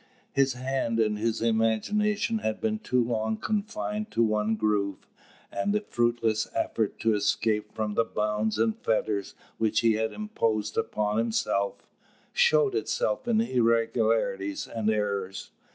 His hand and his imagination had been too long confined to one groove; and the fruitless effort to escape from the bonds and fetters which he had imposed upon himself, showed itself in irregularities and errors.